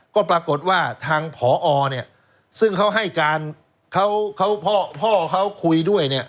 ก็ปรากฏว่าทางผอเนี่ยซึ่งเขาให้การเขาพ่อเขาคุยด้วยเนี่ย